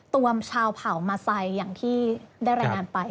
ตัวชาวเผ่ามาใส่อย่างที่ได้แรงงานไป